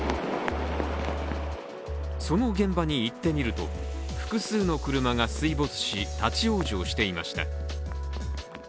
その現場に行ってみると複数の車が水没し、立往生していました。